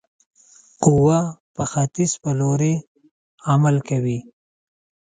قوه په ختیځ په لوري عمل کوي.